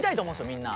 みんな。